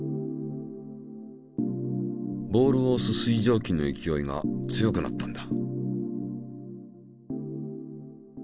ボールをおす水蒸気の勢いが強くなったんだ。